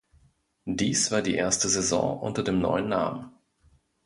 Dies war die erste Saison unter dem neuen Namen.